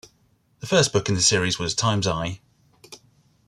The first book in the series was "Time's Eye".